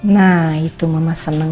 nah itu mama senang